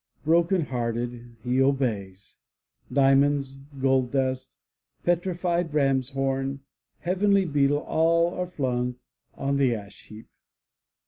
*' Broken hearted, he obeys. Diamonds, gold dust, petrified ram*s hom, heavenly beetle, all are flung on the ash heap!